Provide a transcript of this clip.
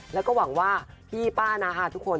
แล้วก็หวังว่าพี่ป้านาฮาทุกคน